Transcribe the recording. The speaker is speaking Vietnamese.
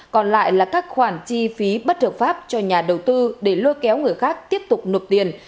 còn lại là các khoản chi phí bất hợp pháp cho nhà đầu tư để lôi kéo người khác tiếp tục nộp tiền